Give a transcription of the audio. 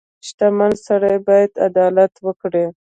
• شتمن سړی باید عدالت وکړي.